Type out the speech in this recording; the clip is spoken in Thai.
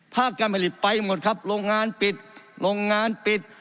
การผลิตไปหมดครับโรงงานปิดโรงงานปิด